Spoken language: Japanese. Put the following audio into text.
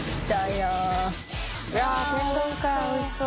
わぁおいしそう。